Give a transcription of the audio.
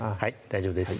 大丈夫です